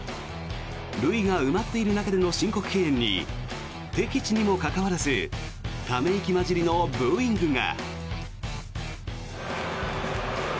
塁が埋まっている中での申告敬遠に敵地にもかかわらずため息交じりのブーイングが。